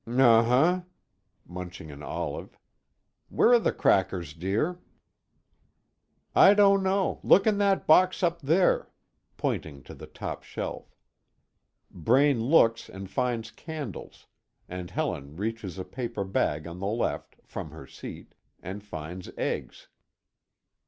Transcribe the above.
"M huh!" munching an olive. "Where are the crackers, dear?" "I don't know look in that box up there," pointing to the top shelf. Braine looks and finds candles, and Helen reaches a paper bag on the left, from her seat, and finds eggs.